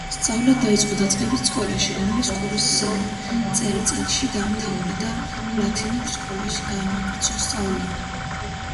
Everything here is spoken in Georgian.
სწავლა დაიწყო დაწყებით სკოლაში, რომლის კურსი სამ წელიწადში დაამთავრა და ლათინურ სკოლაში განაგრძო სწავლა.